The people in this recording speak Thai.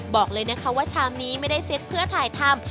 บอกเลยนะคะว่าชามนี้ไม่ได้เซ็ตเพื่อถ่ายทำ